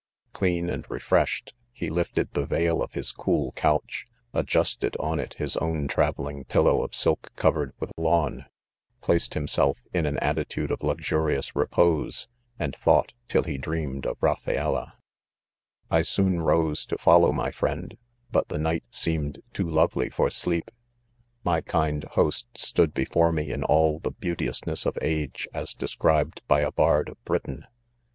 Clean and refresh b5 ted on it Mb owe travelling pillow ©f silk coh ered with lawn, placed himself in an attitude of luxurious repose, and thought till he ctreaai q[ Raphaeki. I soon rose to follow my friend, hut the night seemed too lovely for sleep. My kind host stood before me 'in all the beaiiteoosness of age as described by a bard of Britain.